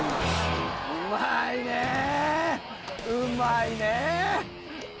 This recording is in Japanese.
うまいねぇ！